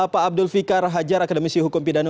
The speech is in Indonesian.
pak abdul fikar hajar akademisi hukum pidana